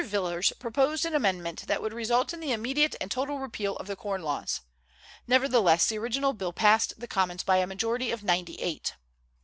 Villiers proposed an amendment that would result in the immediate and total repeal of the corn laws. Nevertheless, the original bill passed the Commons by a majority of ninety eight.